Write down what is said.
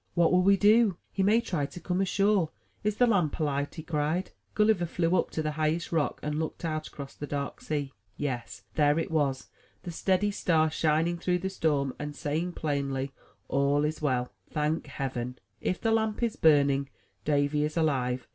''What will he do? He may try to come ashore. Is the lamp alight?'' he cried. Gulliver flew up to the highest rock, and looked out across the dark sea. Yes, there it was, — the steady star shining through the storm, and saying plainly, *'A11 is well." 'Thank heaven! if the lamp is burning, Davy is alive.